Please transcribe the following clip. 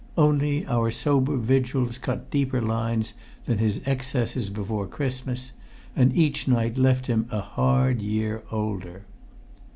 Only, our sober vigils cut deeper lines than his excesses before Christmas, and every night left him a hard year older.